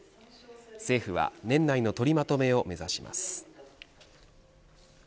政府は年内の取りまとめを目指します。